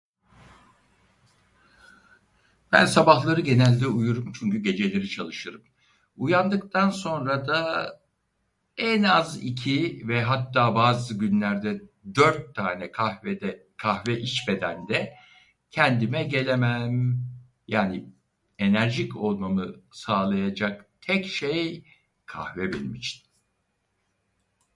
Ben sabahları genelde uyurum çünkü geceleri çalışırım. Uyandıktan sonra da... en az iki, ve hatta bazı günlerde dört tane kahvede- kahve içmeden de kendime gelemeeem. Yani, enerjik olmamı sağlayacak tek şey, kahve benim için.